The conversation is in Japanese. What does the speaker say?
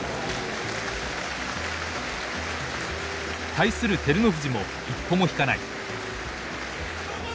対する照ノ富士も一歩も引かない。